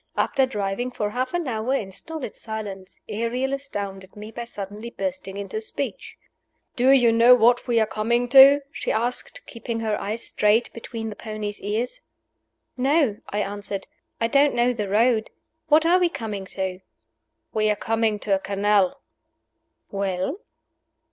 After driving for half an hour in stolid silence, Ariel astounded me by suddenly bursting into speech. "Do you know what we are coming to?" she asked, keeping her eyes straight between the pony's ears. "No," I answered. "I don't know the road. What are we coming to?" "We are coming to a canal." "Well?"